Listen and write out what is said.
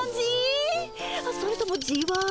それともじわ？